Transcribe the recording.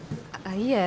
いえ。